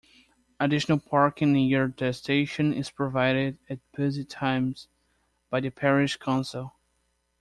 Additional parking near the station is provided at busy times by the Parish Council.